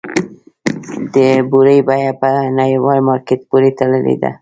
د بورې بیه په نړیوال مارکیټ پورې تړلې ده؟